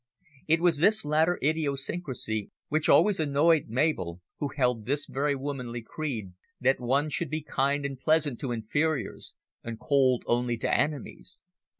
It was this latter idiosyncrasy which always annoyed Mabel, who held the very womanly creed that one should be kind and pleasant to inferiors and cold only to enemies.